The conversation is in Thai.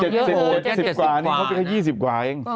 ๗๐กว่านี้ครับเขาเกี่ยวกัน๒๐กว่าเร็งน่าสูงนะครับยะโสธรงด๑๒เมษาจนถึง๒๒เมเมษา